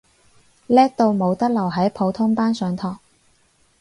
叻到冇得留喺普通班上堂